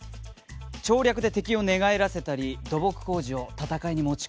調略で敵を寝返らせたり土木工事を戦いに持ち込んだりします。